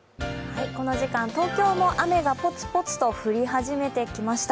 この時間、東京も雨がポツポツと降り始めてきました。